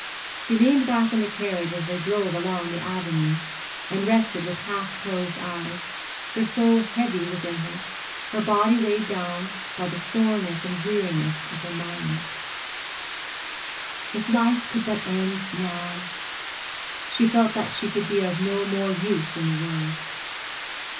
She leaned back in the carriage as they drove along the avenue, and rested with half closed eyes, her soul heavy within her, her body weighed down by the soreness and weariness of her mind. If life could but end now! She felt that she could be of no more use in the world.